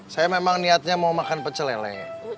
saya memang niatnya mau makan pecelele